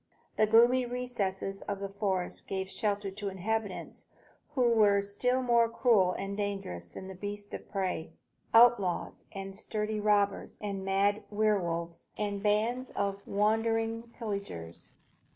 The gloomy recesses of the forest gave shelter to inhabitants who were still more cruel and dangerous than beasts of prey, outlaws and sturdy robbers and mad were wolves and bands of wandering pillagers.